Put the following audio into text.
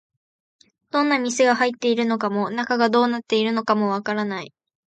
どんな店が入っているのかも、中がどうなっているのかもわからない